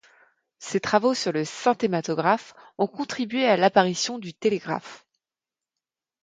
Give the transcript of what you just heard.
Ses travaux sur le synthematographe ont contribué à l'apparition du télégraphe.